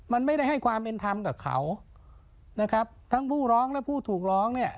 มันไม่ได้ให้ความเป็นธรรมกับเขานะครับทั้งผู้ร้องและผู้ถูกร้องเนี่ย